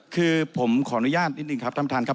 คือผมขออนุญาตนิดนึงครับท่านท่านครับ